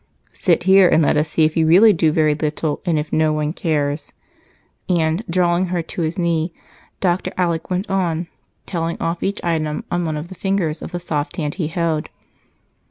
"Sit here, and let us see if you really do very little and if no one cares." And, drawing her to his knee, Dr. Alec went on, telling off each item on one of the fingers of the soft hand he held.